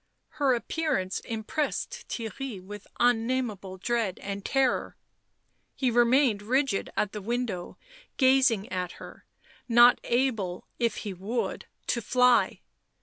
Her appearance impressed Theirry with unnameable dread and terror ; he remained rigid at the window gazing at her, not able, if he would, to fly.